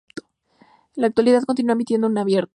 En la actualidad continúa emitiendo en abierto.